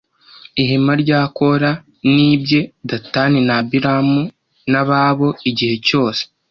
ihema rya kora n ibye datani na abiramu n ababo igihe cyose